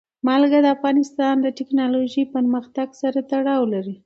نمک د افغانستان د تکنالوژۍ پرمختګ سره تړاو لري.